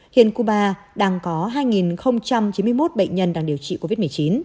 hiện cuba đang có hai chín mươi một bệnh nhân đang điều trị covid một mươi chín